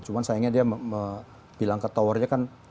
cuma sayangnya dia bilang ke towernya kan